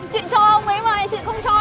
chị cho ông ấy mà chị không cho em